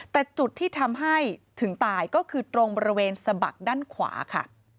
แต่จุดที่ทำให้ถึงตายก็คือตรงบริเวณสะบักด้านขวาค่ะ